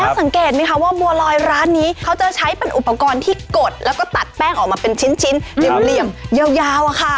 สังเกตไหมคะว่าบัวลอยร้านนี้เขาจะใช้เป็นอุปกรณ์ที่กดแล้วก็ตัดแป้งออกมาเป็นชิ้นเหลี่ยมยาวอะค่ะ